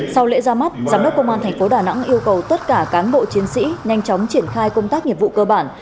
sau lễ ra mắt giám đốc công an thành phố đà nẵng yêu cầu tất cả cán bộ chiến sĩ nhanh chóng triển khai công tác nhiệm vụ cơ bản